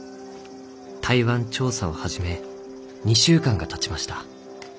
台湾調査を始め２週間がたちました。